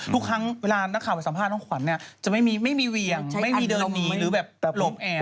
ทุกครั้งเวลานักข่าวไปสัมภาษณ์น้องขวัญเนี่ยจะไม่มีเหวี่ยงไม่มีเดินหนีหรือแบบหลบแอบ